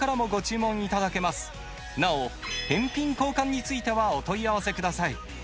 なお返品・交換についてはお問い合わせください